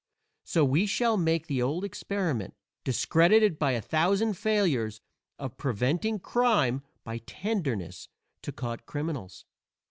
So we shall make again the old experiment, discredited by a thousand failures, of preventing crime by tenderness to caught criminals.